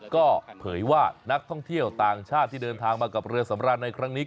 ก็เผยว่านักท่องเที่ยวต่างชาติที่เดินทางมากับเรือสำราญในครั้งนี้